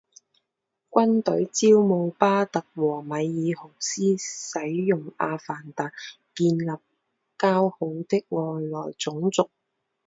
军队招募巴特和米尔豪斯使用阿凡达建立交好的外来种族。